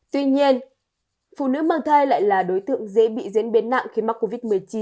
tuy nhiên phụ nữ mang thai lại là đối tượng dễ bị diễn biến nặng khi mắc covid một mươi chín